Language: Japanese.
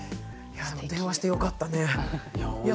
いや電話してよかったね。